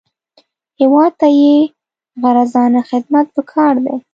هېواد ته بېغرضانه خدمت پکار دی